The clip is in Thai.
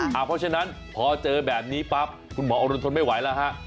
เพราะฉะนั้นพอเจอแบบนี้ปั๊บคุณหมออรุณทนไม่ไหวแล้วฮะ